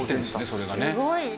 それがね。